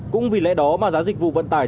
cũng vì lẽ đó mà giá dịch vụ vận tải công cộng